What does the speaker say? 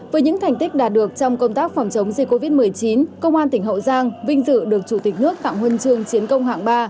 với những thành tích đạt được trong công tác phòng chống dịch covid một mươi chín công an tỉnh hậu giang vinh dự được chủ tịch nước tặng huân chương chiến công hạng ba